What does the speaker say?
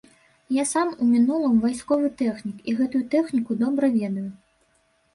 Я сам у мінулым вайсковы тэхнік і гэтую тэхніку добра ведаю.